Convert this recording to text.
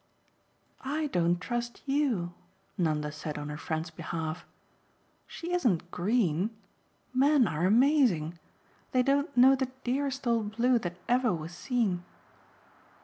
"I don't trust YOU," Nanda said on her friend's behalf. "She isn't 'green' men are amazing: they don't know the dearest old blue that ever was seen."